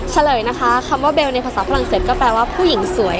เฉลยนะคะคำว่าเบลในภาษาฝรั่งเศสก็แปลว่าผู้หญิงสวย